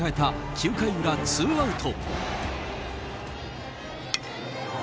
９回裏ツーアウト。